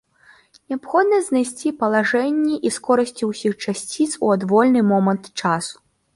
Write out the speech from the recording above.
Неабходна знайсці палажэнні і скорасці ўсіх часціц у адвольны момант часу.